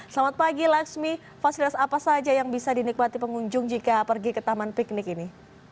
selamat pagi laksmi fasilitas apa saja yang bisa dinikmati pengunjung jika pergi ke taman piknik ini